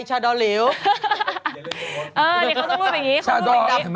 ชาดอลิวเออเดี๋ยวเขาต้องรูปอย่างงี้เขาต้องรูปอย่างงี้ชาดอลิวเห็นไหมล่ะ